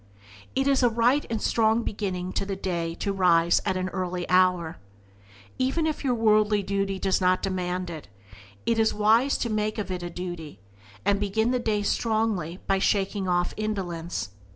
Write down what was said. It is a right and strong beginning to the day to rise at an early hour. Even if your worldly duty does not demand it, it is wise to make of it a duty, and begin the day strongly by shaking off indolence.